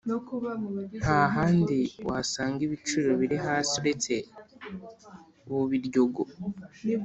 Ntahandi wasanga ibiciro biri hasi uretse bubiryogo